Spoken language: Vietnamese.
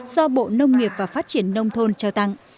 do bộ nông nghiệp và phát triển nông thôn trao tặng